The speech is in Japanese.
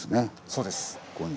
そうです。